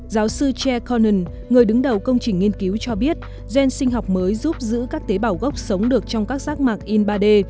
giáo sư che cornan người đứng đầu công trình nghiên cứu cho biết gen sinh học mới giúp giữ các tế bào gốc sống được trong các rác mạc in ba d